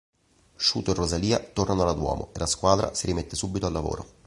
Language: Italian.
Sciuto e Rosalia tornano alla Duomo e la squadra si rimette subito a lavoro.